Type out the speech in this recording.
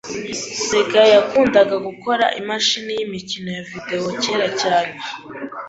Sega yakundaga gukora imashini yimikino ya videwo kera cyane.